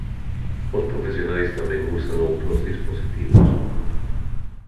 Os profesionais tamén usan outros dispositivos.